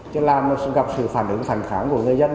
chứ làm nó sẽ gặp sự phản ứng phản kháng của người dân